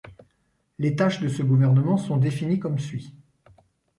Les tâches de ce gouvernement sont définies comme suit.